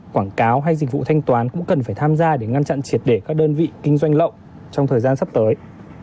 quảng cáo hay dịch vụ thanh toán cũng cần phải tham gia để ngăn chặn triệt để các đơn vị kinh doanh lậu trong thời gian sắp tới